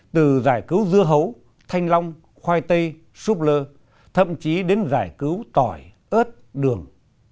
từ giải cứu dưa hấu thanh long khoai tây súp lơ thậm chí đến giải cứu tỏi ớt đường